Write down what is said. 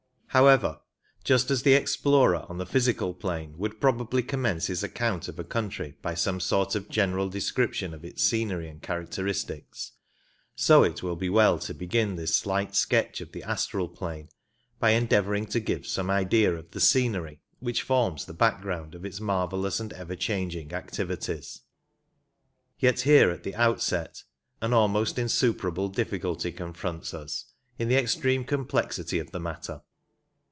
However, just as the explorer on the physical plane would probably commence his account of a country by some sort of general description of its scenery and characteristics, so it will be well to begin this slight sketch of the astral plane by endeavouring to give some idea of the scenery which forms the background of its marvellous and ever changing activities. Yet here at the outset an almost insuperable difficulty confronts us in the extreme complexity of the matter.